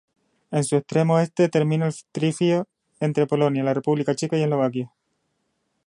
En su extremo este termina el trifinio entre Polonia, la República Checa y Eslovaquia.